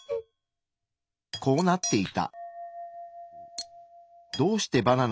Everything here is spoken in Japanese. こうなっていた。